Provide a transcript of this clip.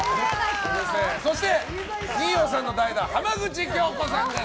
そして、二葉さんの代打浜口京子さんです。